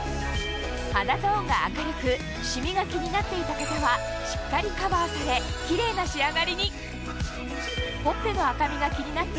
肌トーンが明るくシミが気になっていた方はしっかりカバーされキレイな仕上がりにほっぺの赤みが気になっていた